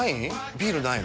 ビールないの？